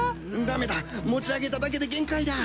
駄目だ持ち上げただけで限界だ！